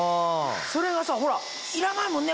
それがさほらいらないもんね